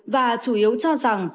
và chủ yếu cho rằng